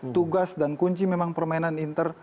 tugas dan kunci memang permainan inter